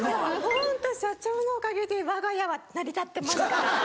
ホント社長のおかげでわが家は成り立ってますから。